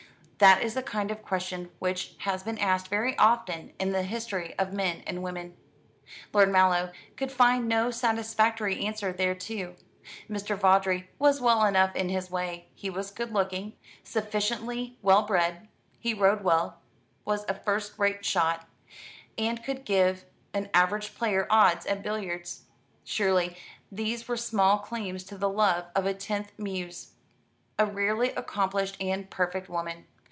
That is a kind of question which has been asked very often in the history of men and women. Lord Mallow could find no satisfactory answer thereto. Mr. Vawdrey was well enough in his way he was good looking, sufficiently well bred; he rode well, was a first rate shot, and could give an average player odds at billiards. Surely these were small claims to the love of a tenth muse, a rarely accomplished and perfect woman.